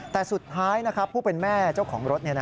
แต่สุดท้ายผู้เป็นแม่เจ้าของรถ